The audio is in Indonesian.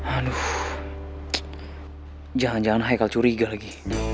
aduh jangan jangan haikal curiga lagi